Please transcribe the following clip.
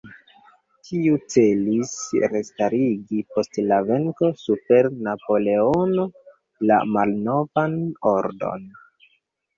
Tiu celis restarigi post la venko super Napoleono la malnovan ordon.